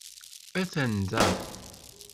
Atan da.